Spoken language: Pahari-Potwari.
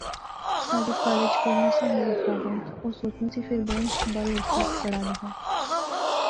ساجد کالج پڑھنا سا، مظفرآباد، او سوچنی سی، فیر بہوں بل ہوسی پڑھا لیغا